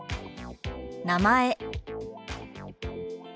「名前」。